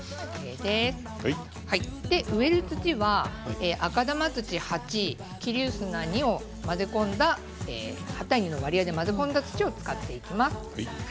上の土は赤玉土８桐生砂２を混ぜ込んだ８対２の割合で混ぜ込んだ土を使っていきます。